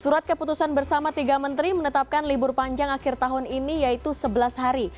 surat keputusan bersama tiga menteri menetapkan libur panjang akhir tahun ini yaitu sebelas hari